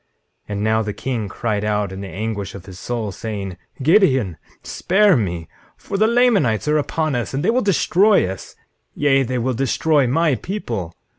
19:7 And now the king cried out in the anguish of his soul, saying: Gideon, spare me, for the Lamanites are upon us, and they will destroy us; yea, they will destroy my people.